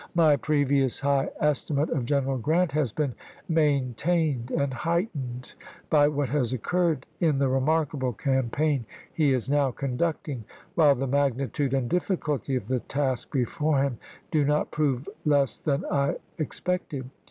My previous high estimate of General Grant has been maintained and heightened by what has occurred in the remarkable campaign he is now conducting, while the magnitude and difficulty of the task be fore him do not prove less than I expected.